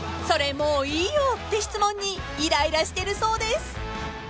［それもういいよって質問にイライラしてるそうです］